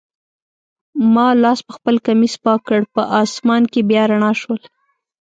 ما لاس پخپل کمیس پاک کړ، په آسمان کي بیا رڼا شول.